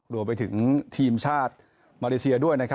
รวมไปถึงทีมชาติมารยาสีอีก